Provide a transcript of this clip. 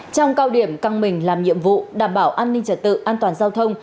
trong cao điểm căng mình làm nhiệm vụ đảm bảo an ninh trật tự an toàn giao thông